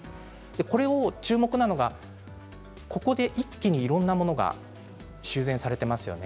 これ、注目なのが４８期で一気にいろんなものが修繕されてますね。